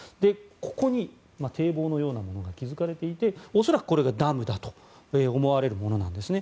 ここに堤防のようなものが築かれていて恐らくこれがダムだと思われるものなんですね。